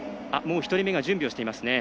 １人目が準備をしています。